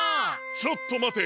ちょっとまて。